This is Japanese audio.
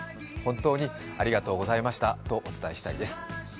本当にありがとうございましたとお伝えしたいです。